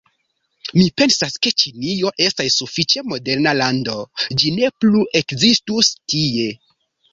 Mi pensas ke Ĉinio estas sufiĉe moderna lando, ĝi ne plu ekzistus tie.